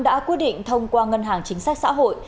đã quyết định thông qua ngân hàng chính sách xã hội